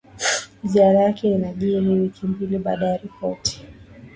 Ziara yake inajiri wiki mbili baada ya ripoti